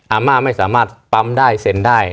อาม่าไม่สามารถปั๊มได้เซ็นได้